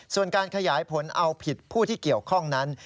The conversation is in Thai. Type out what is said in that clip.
ส่วนการขยายผลเอาผิดผู้ที่เกี่ยวข้องนั้น